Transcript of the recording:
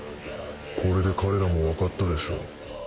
これで彼らも分かったでしょう。